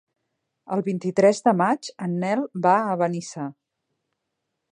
El vint-i-tres de maig en Nel va a Benissa.